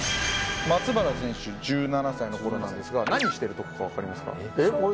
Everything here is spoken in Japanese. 松原選手１７歳の頃なんですが何してるとこか分かりますか？